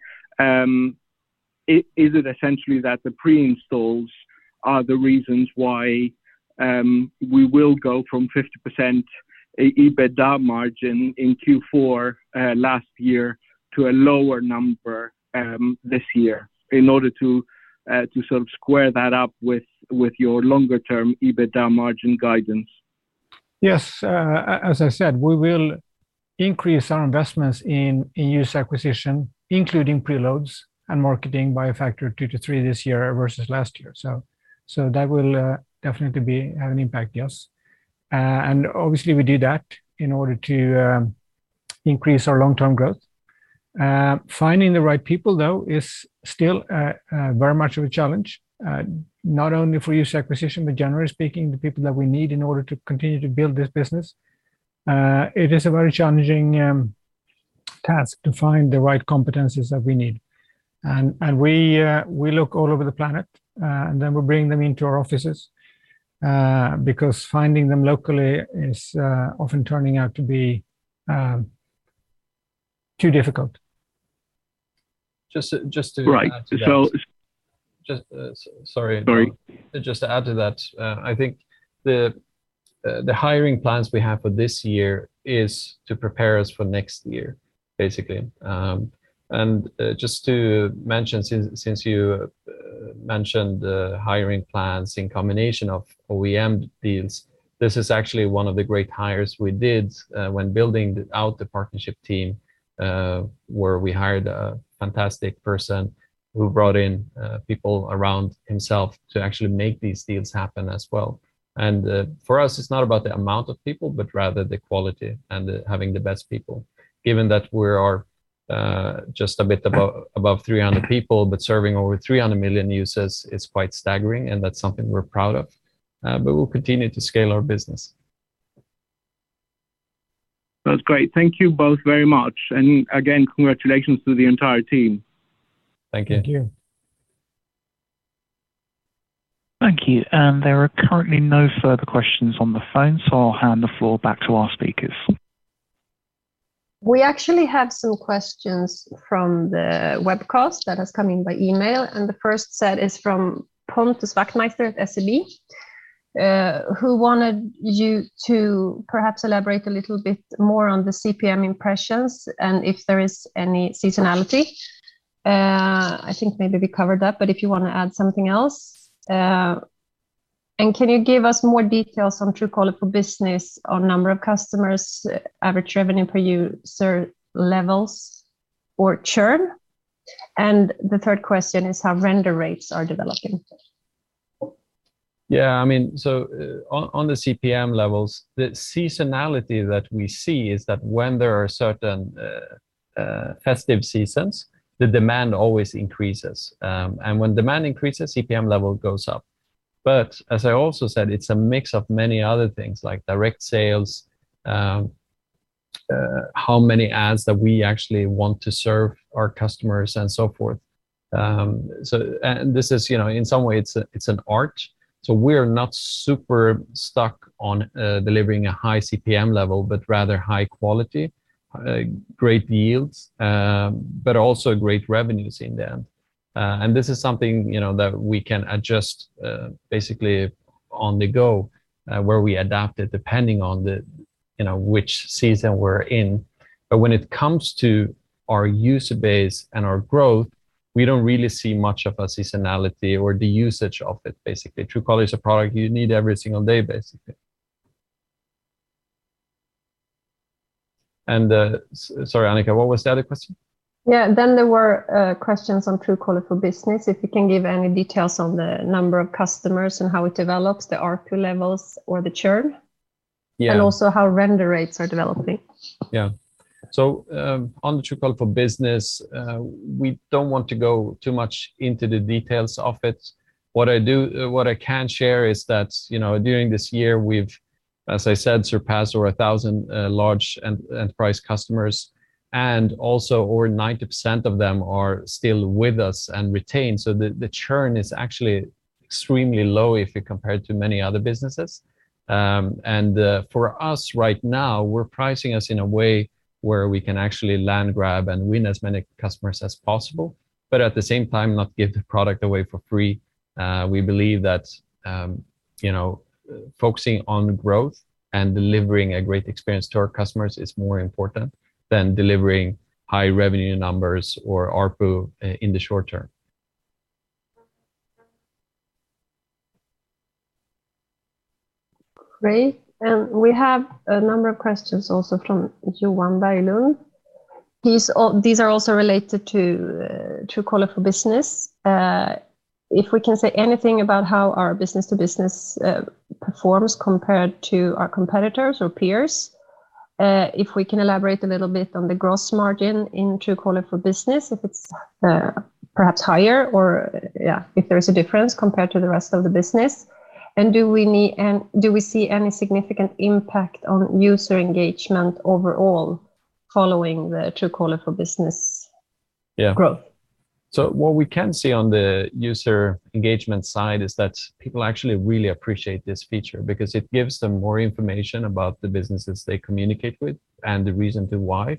is it essentially that the pre-installs are the reasons why we will go from 50% EBITDA margin in Q4 last year to a lower number this year in order to sort of square that up with your longer term EBITDA margin guidance? Yes. As I said, we will increase our investments in user acquisition, including pre-loads and marketing by a factor of two to three this year versus last year. That will definitely have an impact, yes. Obviously we do that in order to increase our long-term growth. Finding the right people, though, is still very much of a challenge, not only for user acquisition, but generally speaking, the people that we need in order to continue to build this business. It is a very challenging task to find the right competencies that we need. We look all over the planet and then we bring them into our offices because finding them locally is often turning out to be too difficult. Just to add to that. Right. Just, sorry. Sorry. Just to add to that, I think the hiring plans we have for this year is to prepare us for next year, basically. Just to mention, since you mentioned the hiring plans in combination of OEM deals, this is actually one of the great hires we did when building out the partnership team, where we hired a fantastic person who brought in people around himself to actually make these deals happen as well. For us, it's not about the amount of people, but rather the quality and the having the best people. Given that we are just a bit above 300 people, but serving over 300 million users is quite staggering, and that's something we're proud of. We'll continue to scale our business. That's great. Thank you both very much. Again, congratulations to the entire team. Thank you. Thank you. Thank you. There are currently no further questions on the phone, so I'll hand the floor back to our speakers. We actually have some questions from the webcast that has come in by email, and the first set is from Pontus Wachtmeister at SEB, who wanted you to perhaps elaborate a little bit more on the CPM impressions and if there is any seasonality. I think maybe we covered that, but if you wanna add something else. Can you give us more details on Truecaller for Business on number of customers, average revenue per user levels or churn? The third question is how render rates are developing. Yeah, I mean, on the CPM levels, the seasonality that we see is that when there are certain festive seasons, the demand always increases. When demand increases, CPM level goes up. As I also said, it's a mix of many other things like direct sales, how many ads that we actually want to serve our customers and so forth. This is, you know, in some way it's an art, so we're not super stuck on delivering a high CPM level, but rather high quality, great yields, but also great revenues in the end. This is something, you know, that we can adjust basically on the go, where we adapt it depending on the, you know, which season we're in. When it comes to our user base and our growth, we don't really see much of a seasonality or the usage of it, basically. Truecaller is a product you need every single day, basically. Sorry, Annika, what was the other question? Yeah. There were questions on Truecaller for Business. If you can give any details on the number of customers and how it develops, the ARPU levels or the churn? Yeah. how render rates are developing. Yeah, on the Truecaller for Business, we don't want to go too much into the details of it. What I can share is that, you know, during this year, we've, as I said, surpassed over 1,000 large enterprise customers, and also over 90% of them are still with us and retained. The churn is actually extremely low if you compare it to many other businesses. For us right now, we're pricing it in a way where we can actually land grab and win as many customers as possible, but at the same time not give the product away for free. We believe that, you know, focusing on growth and delivering a great experience to our customers is more important than delivering high revenue numbers or ARPU in the short term. Great. We have a number of questions also from Johan Berglund. These are also related to Truecaller for Business. If we can say anything about how our business to business performs compared to our competitors or peers. If we can elaborate a little bit on the gross margin in Truecaller for Business, if it's perhaps higher or if there's a difference compared to the rest of the business. Do we see any significant impact on user engagement overall following the Truecaller for Business? Yeah growth? What we can see on the user engagement side is that people actually really appreciate this feature because it gives them more information about the businesses they communicate with and the reason to why.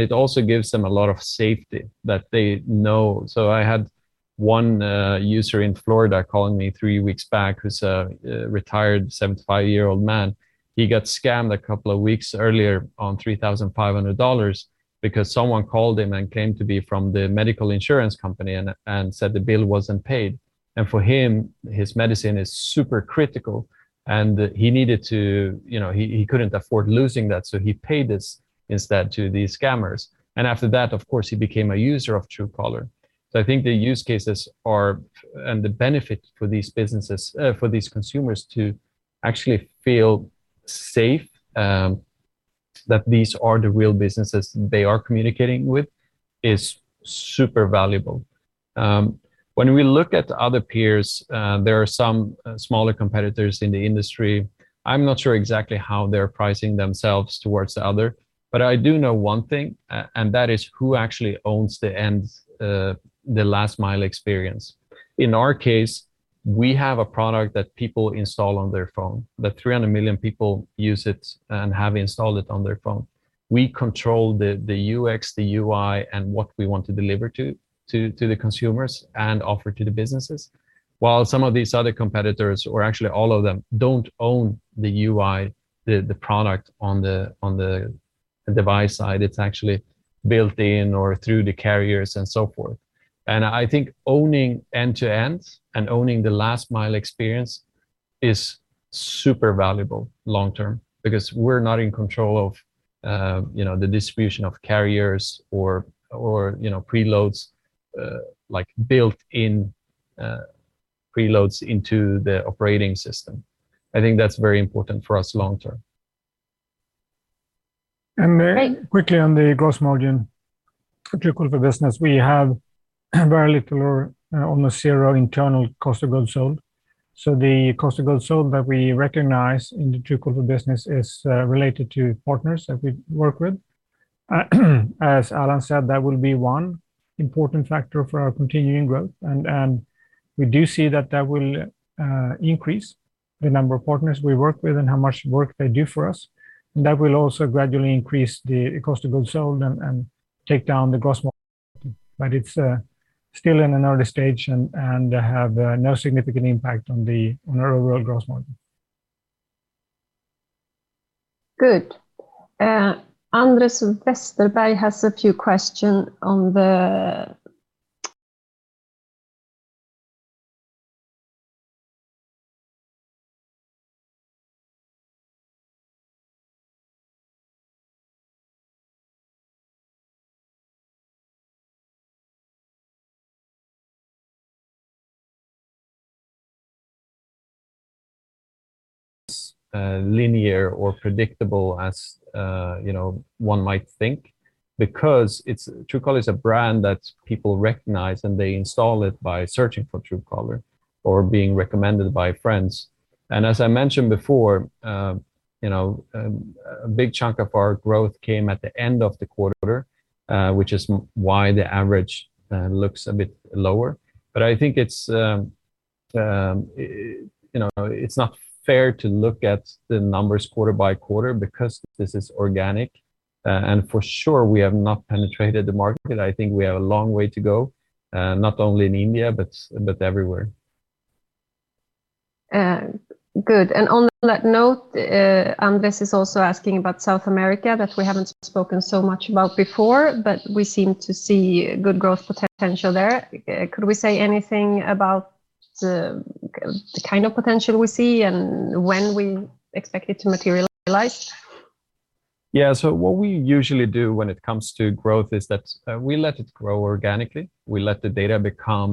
It also gives them a lot of safety that they know. I had one user in Florida calling me three weeks back who's a retired 75-year-old man. He got scammed a couple of weeks earlier on $3,500 because someone called him and claimed to be from the medical insurance company and said the bill wasn't paid. For him, his medicine is super critical, and he needed to he couldn't afford losing that, so he paid this instead to these scammers. After that, of course, he became a user of Truecaller. I think the use cases are, and the benefit for these businesses, for these consumers to actually feel safe, that these are the real businesses they are communicating with is super valuable. When we look at other peers, there are some smaller competitors in the industry. I'm not sure exactly how they're pricing themselves towards the other, but I do know one thing, and that is who actually owns the end, the last mile experience. In our case, we have a product that people install on their phone, that 300 million people use it and have installed it on their phone. We control the UX, the UI, and what we want to deliver to the consumers and offer to the businesses, while some of these other competitors, or actually all of them, don't own the UI, the product on the device side. It's actually built in or through the carriers and so forth. I think owning end to end and owning the last mile experience is super valuable long term because we're not in control of you know, the distribution of carriers or you know, preloads like built-in preloads into the operating system. I think that's very important for us long term. Great. Then quickly on the gross margin for Truecaller for Business, we have very little or almost zero internal cost of goods sold. The cost of goods sold that we recognize in the Truecaller for Business is related to partners that we work with. As Alan said, that will be one important factor for our continuing growth and we do see that will increase the number of partners we work with and how much work they do for us. That will also gradually increase the cost of goods sold and take down the gross margin. It's still in an early stage and have no significant impact on the overall gross margin. Good. Andreas Vesterberg has a few questions on the- Linear or predictable as, you know, one might think because Truecaller is a brand that people recognize, and they install it by searching for Truecaller or being recommended by friends. As I mentioned before, you know, a big chunk of our growth came at the end of the quarter, which is why the average looks a bit lower. I think it's, you know, it's not fair to look at the numbers quarter by quarter because this is organic and for sure we have not penetrated the market. I think we have a long way to go, not only in India, but everywhere. Good. On that note, Andreas is also asking about South America that we haven't spoken so much about before, but we seem to see good growth potential there. Could we say anything about the kind of potential we see and when we expect it to materialize? Yeah. What we usually do when it comes to growth is that, we let it grow organically. We let the data become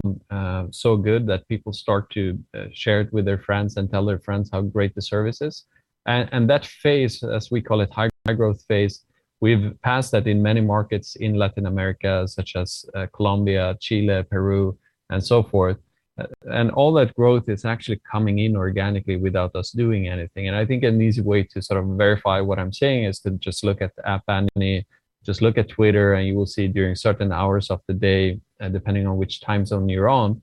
so good that people start to share it with their friends and tell their friends how great the service is. And that phase, as we call it, high growth phase, we've passed that in many markets in Latin America, such as Colombia, Chile, Peru, and so forth. And all that growth is actually coming in organically without us doing anything. And I think an easy way to sort of verify what I'm saying is to just look at the App Annie, just look at Twitter, and you will see during certain hours of the day and depending on which time zone you're on,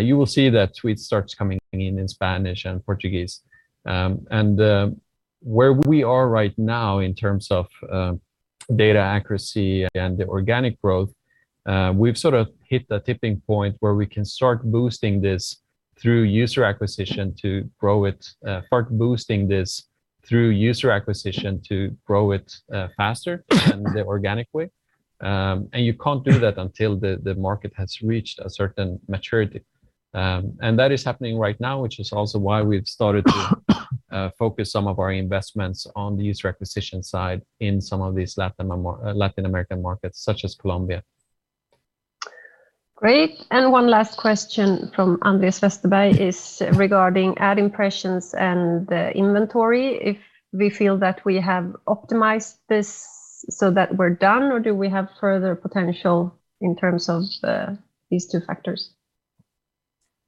you will see that tweets starts coming in in Spanish and Portuguese. Where we are right now in terms of data accuracy and the organic growth, we've sort of hit the tipping point where we can start boosting this through user acquisition to grow it faster than the organic way. You can't do that until the market has reached a certain maturity. That is happening right now, which is also why we've started to focus some of our investments on the user acquisition side in some of these Latin American markets such as Colombia. Great. One last question from Andreas Vesterberg is regarding ad impressions and the inventory, if we feel that we have optimized this so that we're done or do we have further potential in terms of, these two factors?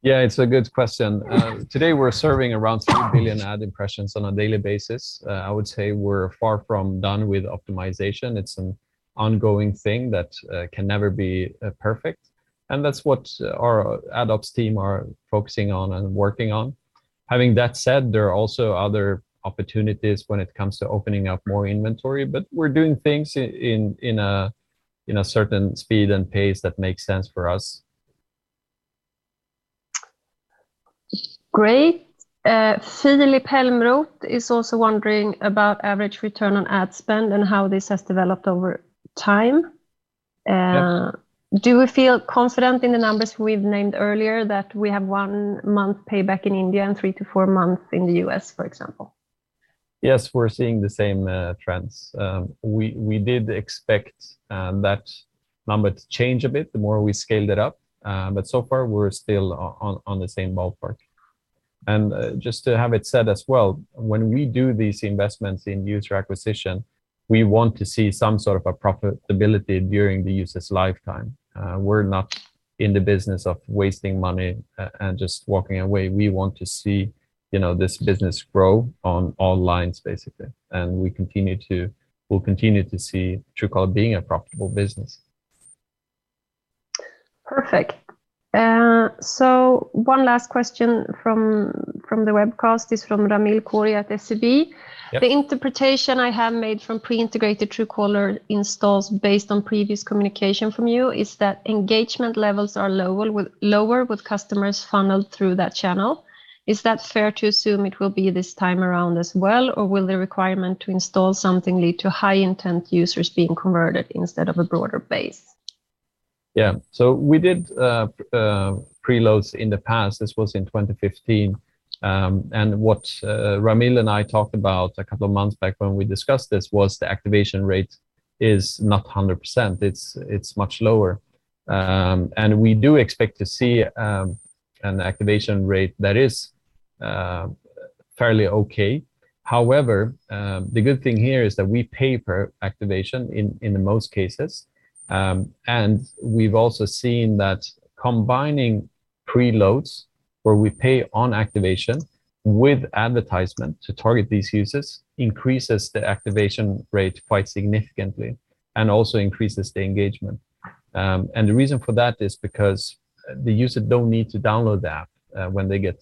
Yeah, it's a good question. Today we're serving around 7 billion ad impressions on a daily basis. I would say we're far from done with optimization. It's an ongoing thing that can never be perfect, and that's what our ad ops team are focusing on and working on. Having that said, there are also other opportunities when it comes to opening up more inventory, but we're doing things in a certain speed and pace that makes sense for us. Great. Filip Helmroth is also wondering about average return on ad spend and how this has developed over time. Yes. Do we feel confident in the numbers we've named earlier that we have 1-month payback in India and three to four months in the U.S., for example? Yes, we're seeing the same trends. We did expect that number to change a bit the more we scaled it up. But so far we're still on the same ballpark. Just to have it said as well, when we do these investments in user acquisition, we want to see some sort of a profitability during the user's lifetime. We're not in the business of wasting money and just walking away. We want to see, you know, this business grow on all lines basically, and we'll continue to see Truecaller being a profitable business. Perfect. One last question from the webcast is from Ramil Koria at SEB. Yep. The interpretation I have made from pre-integrated Truecaller installs based on previous communication from you is that engagement levels are lower with customers funneled through that channel. Is that fair to assume it will be this time around as well, or will the requirement to install something lead to high-intent users being converted instead of a broader base? Yeah. We did preloads in the past, this was in 2015. What Ramil and I talked about a couple of months back when we discussed this was the activation rate is not 100%. It's much lower. We do expect to see an activation rate that is fairly okay. However, the good thing here is that we pay per activation in the most cases. We've also seen that combining preloads where we pay on activation with advertisement to target these users increases the activation rate quite significantly, and also increases the engagement. The reason for that is because the user don't need to download the app, when they get,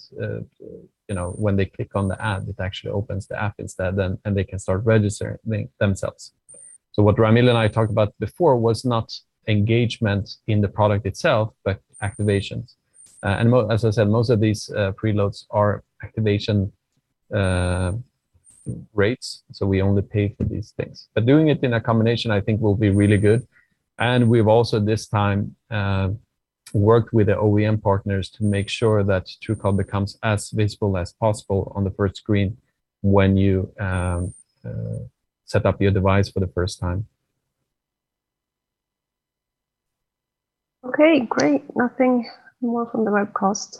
you know, when they click on the ad, it actually opens the app instead then, and they can start registering themselves. What Ramil and I talked about before was not engagement in the product itself, but activations. As I said, most of these preloads are activation rates, so we only pay for these things. Doing it in a combination I think will be really good. We've also this time worked with the OEM partners to make sure that Truecaller becomes as visible as possible on the first screen when you set up your device for the first time. Okay, great. Nothing more from the webcast.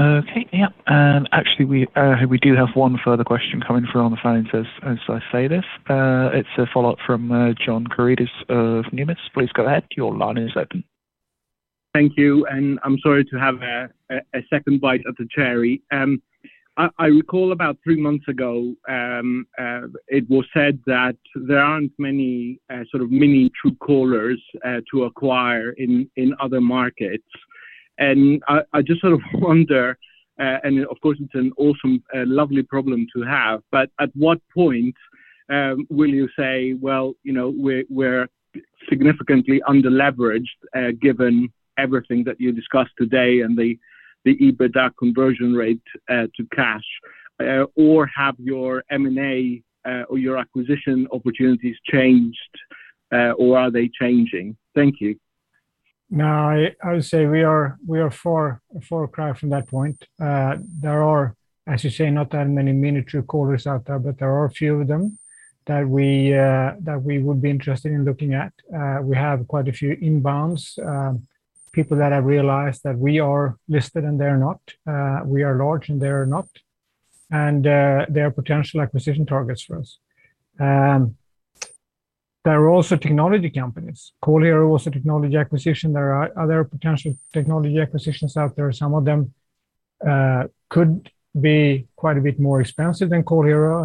Okay. Yeah. Actually, we do have one further question coming through on the phone as I say this. It's a follow-up from John Karidis of Numis. Please go ahead. Your line is open. Thank you, and I'm sorry to have a second bite of the cherry. I recall about three months ago, it was said that there aren't many sort of mini Truecallers to acquire in other markets. I just sort of wonder, and of course it's an awesome lovely problem to have, but at what point will you say, "Well, you know, we're significantly under-leveraged," given everything that you discussed today and the EBITDA conversion rate to cash, or have your M&A or your acquisition opportunities changed, or are they changing? Thank you. No, I would say we are far, far cry from that point. There are, as you say, not that many mini Truecallers out there, but there are a few of them that we would be interested in looking at. We have quite a few inbounds, people that have realized that we are listed and they're not, we are large and they are not, and they are potential acquisition targets for us. There are also technology companies. CallHero was a technology acquisition. There are other potential technology acquisitions out there. Some of them could be quite a bit more expensive than CallHero,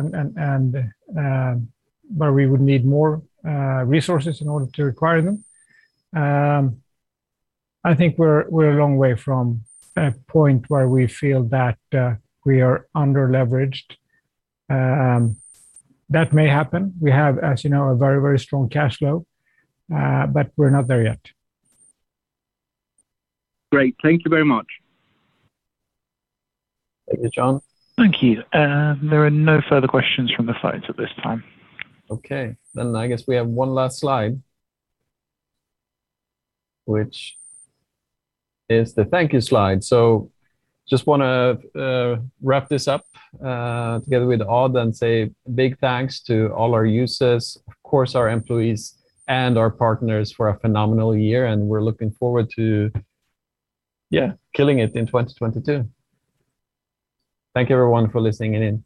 but we would need more resources in order to acquire them. I think we're a long way from a point where we feel that we are under-leveraged. That may happen. We have, as you know, a very, very strong cash flow, but we're not there yet. Great. Thank you very much. Thank you, John. Thank you. There are no further questions from the phones at this time. Okay. I guess we have one last slide, which is the thank you slide. Just wanna wrap this up together with Odd and say big thanks to all our users, of course our employees and our partners for a phenomenal year, and we're looking forward to, yeah, killing it in 2022. Thank you everyone for listening in.